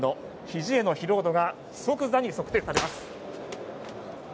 ひじへの疲労度が即座に測定されます。